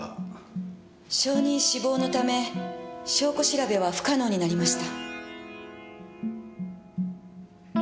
証人死亡のため証拠調べは不可能になりました。